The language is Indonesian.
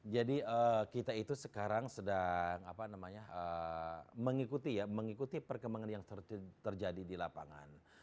kita itu sekarang sedang mengikuti perkembangan yang terjadi di lapangan